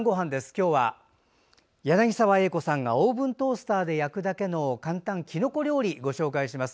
今日は柳澤英子さんがオーブントースターで焼くだけの簡単きのこ料理をご紹介します。